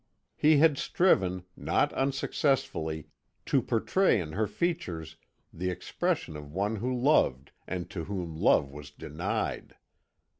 He had striven, not unsuccessfully, to portray in her features the expression of one who loved and to whom love was denied.